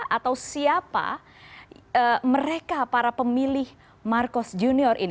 atau siapa mereka para pemilih marcos junior ini